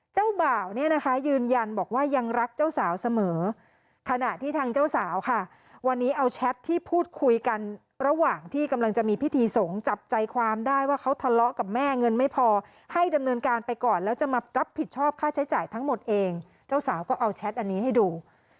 เจ้าบ่าวเนี่ยนะคะยืนยันบอกว่ายังรักเจ้าสาวเสมอขณะที่ทางเจ้าสาวค่ะวันนี้เอาแชทที่พูดคุยกันระหว่างที่กำลังจะมีพิธีสงฆ์จับใจความได้ว่าเขาทะเลาะกับแม่เงินไม่พอให้ดำเนินการไปก่อนแล้วจะมารับผิดชอบค่าใช้จ่ายทั้งหมดเองเจ้าสาวก็เอาแชทอันนี้ให้ดู